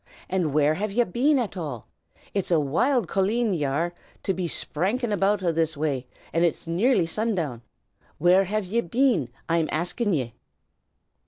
"And where have ye been at all? It's a wild colleen y'are, to be sprankin' about o' this way, and it nearly sundown. Where have ye been, I'm askin' ye?"